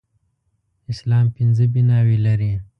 اسلام پنځه بناوې لري